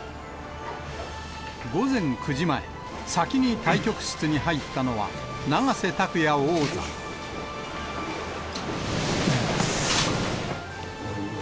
午前９時前、先に対局室に入ったのは、おはようございます。